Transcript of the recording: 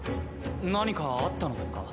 何かあったのですか？